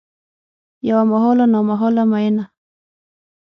یوه محاله نامحاله میینه